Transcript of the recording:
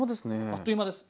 あっという間です。